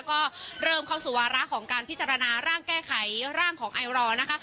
ก็เริ่มความสุวรร้าของการพิจารณาร่างแก้ไขร่ร่างของไอรอร์นะคะ